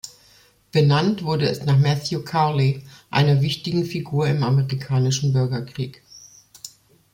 Benannt wurde es nach Matthew Cowley, einer wichtigen Figur im Amerikanischen Bürgerkrieg.